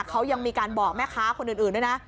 เขายังมีการบอกแม่ค้าคนอื่นด้วยนะ